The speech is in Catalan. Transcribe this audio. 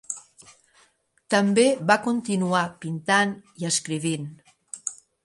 També va continuar pintant i escrivint.